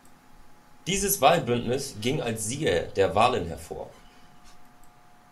Dieses Wahlbündnis ging als Sieger der Wahlen hervor.